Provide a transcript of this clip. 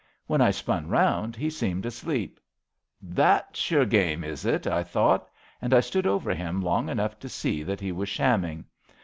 When I spun round he seemed asleep. * That's your game, is it? ' I thought, and I stood over him long enough to see that he was shamming.